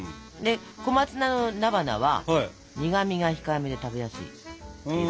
小松菜の菜花は苦みが控えめで食べやすいっていうのがあるし。